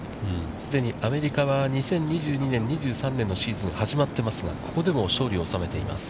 既にアメリカは２０２２年、２３年のシーズンが始まってますが、ここでも勝利をおさめています。